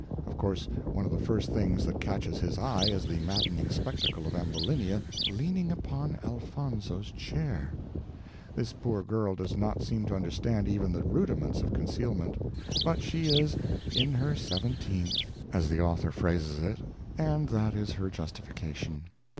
Of course, one of the first things that catches his eye is the maddening spectacle of Ambulinia "leaning upon Elfonzo's chair." This poor girl does not seem to understand even the rudiments of concealment. But she is "in her seventeenth," as the author phrases it, and that is her justification.